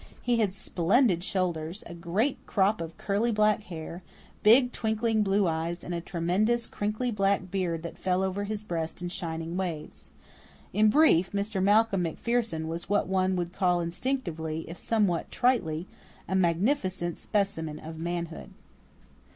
He had splendid shoulders, a great crop of curly black hair, big, twinkling blue eyes, and a tremendous crinkly black beard that fell over his breast in shining waves. In brief, Mr. Malcolm MacPherson was what one would call instinctively, if somewhat tritely, "a magnificent specimen of manhood."